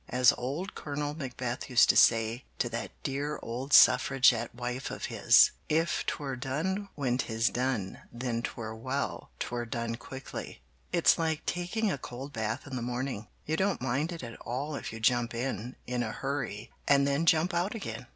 As old Colonel Macbeth used to say to that dear old Suffragette wife of his, "If 'twere done when 'tis done, then 'twere well It were done quickly. "It's like taking a cold bath in the morning. You don't mind it at all if you jump in in a hurry and then jump out again.